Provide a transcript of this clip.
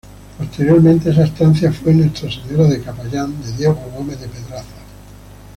Posteriormente esa estancia fue "Nuestra Señora de Capayán" de Diego Gómez de Pedraza.